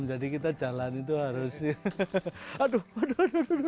jadi kita jalan itu harusnya aduh aduh